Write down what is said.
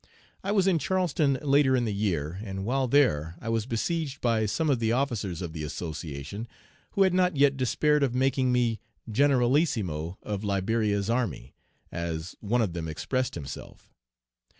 I was in Charleston later in the year, and while there I was besieged by some of the officers of the association, who had not yet despaired of making me "Generalissimo of Liberia's Army," as one of them expressed himself.